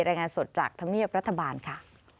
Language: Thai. รายงานสดจากธรรมเนียบรัฐบาลค่ะ